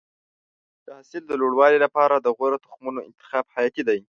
د حاصل د لوړوالي لپاره د غوره تخمونو انتخاب حیاتي دی.